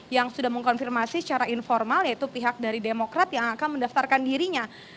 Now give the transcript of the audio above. yang sudah mengkonfirmasi secara informal yaitu pihak dari demokrat yang akan mendaftarkan dirinya